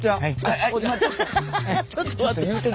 ちょっと待って。